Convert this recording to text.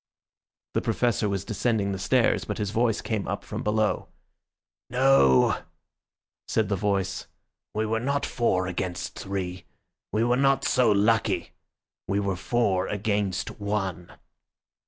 The Professor was descending the stairs, but his voice came up from below. "No," said the voice, "we were not four against three—we were not so lucky. We were four against One."